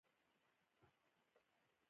په مخ کې بي بي شمسو ته هم "رضی الله عنه" لیکي.